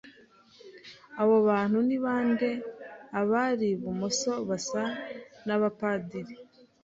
Abo bantu ni bande Abari ibumoso basa nabapadiri